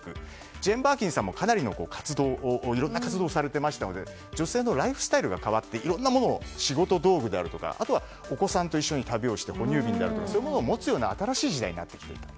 ジェーン・バーキンさんもいろんな活動をされていましたので女性のライフスタイルが変わっていろんなものを仕事道具であるとかお子さんと一緒に旅をして哺乳瓶などを持つような新しい時代になっていた。